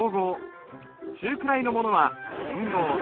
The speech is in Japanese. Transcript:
中くらいのものは兼毫。